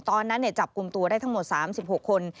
ตอนนั้นจับกลุ่มตัวได้ทั้งหมด๓๖คน